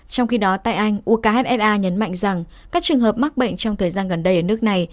trong khi đó tại anh ukhfa nhấn mạnh rằng các trường hợp mắc bệnh trong thời gian gần đây ở nước này